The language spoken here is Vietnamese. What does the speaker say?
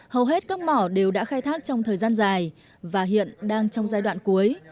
hầu hết các mỏ đều đã khai thác trong thời gian dài và hiện đang trong giai đoạn cuối